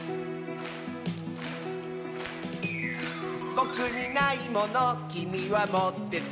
「ぼくにないものきみはもってて」